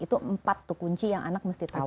itu empat tuh kunci yang anak mesti tahu